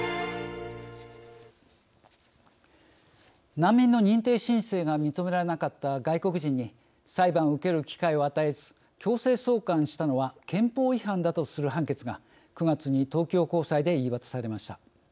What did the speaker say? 難民の認定申請が認められなかった外国人に裁判を受ける機会を与えず強制送還したのは憲法違反だとする判決が９月に東京高裁で言い渡されました。